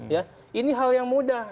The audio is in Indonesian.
ya ini hal yang mudah